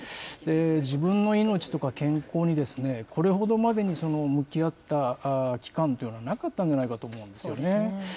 自分の命とか健康に、これほどまでに向き合った期間というのはなかったんじゃないかと思うんですよね。